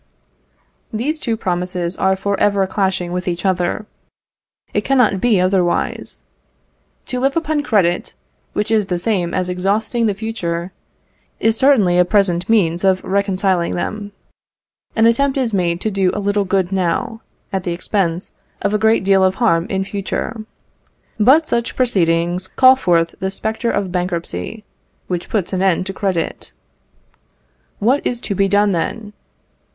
These two promises are for ever clashing with each other; it cannot be otherwise. To live upon credit, which is the same as exhausting the future, is certainly a present means of reconciling them: an attempt is made to do a little good now, at the expense of a great deal of harm in future. But such proceedings call forth the spectre of bankruptcy, which puts an end to credit. What is to be done then?